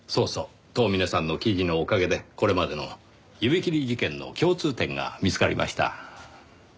遠峰さんの記事のおかげでこれまでの指切り事件の共通点が見つかりました。